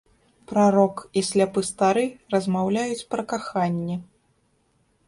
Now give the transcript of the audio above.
Прарок і сляпы стары размаўляюць пра каханне.